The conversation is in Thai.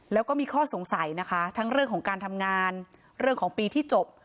แล้วก็มีข้อสงสัยนะคะทั้งเรื่องของการทำงานเรื่องของปีที่จบ